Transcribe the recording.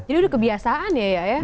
jadi udah kebiasaan ya ya ya